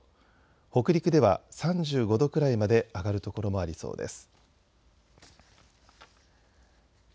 北陸では３５度くらいまで上がる所もありそうです。